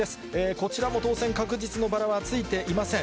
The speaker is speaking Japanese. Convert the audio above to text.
こちらも当選確実のバラはついていません。